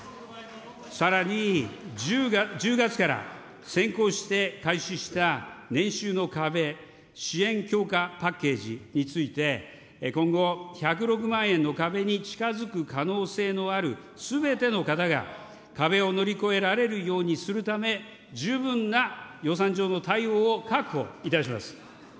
さらに、１０月から先行して開始した年収の壁・支援強化パッケージについて、今後、１０６万円の壁に近づく可能性のあるすべての方が、壁を乗り越えられるようにするため、十分な予算上の対応を確保いたします。